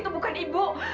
itu bukan ibu